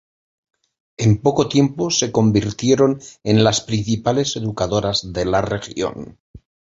En poco tiempo se convirtieron en las principales educadoras de la región.